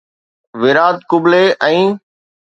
ويرات ڪبلي ۽